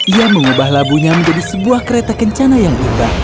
ia mengubah labunya menjadi sebuah kereta kencana yang berubah